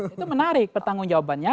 itu menarik pertanggung jawabannya